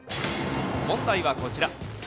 問題はこちら。